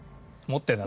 持ってる。